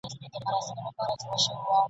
رسنۍ د خلکو اړیکې زیاتوي.